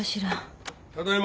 ただいま。